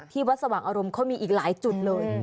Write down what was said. วัดสว่างอารมณ์เขามีอีกหลายจุดเลย